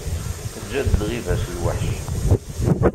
Teǧǧa-d lɣiba-s lweḥc.